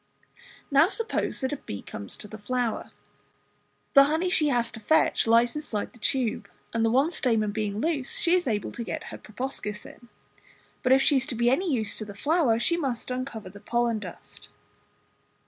Now suppose that a bee comes to the flower. The honey she has to fetch lies inside the tube, and the one stamen being loose she is able to get her proboscis in. but if she is to be of any use to the flower she must uncover the pollen dust.